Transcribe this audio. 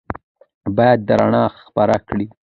باید دا رڼا خپره کړو.